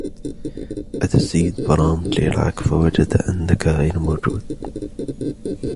أتى السيد براون ليراك ، فوجد أنك غير موجود.